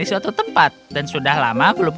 di suatu tempat dan sudah lama belum